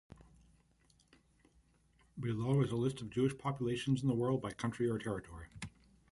Below is a list of Jewish populations in the world by country or territory.